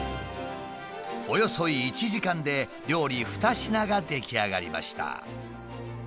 およそ１時間で料理２品が出来上がりました。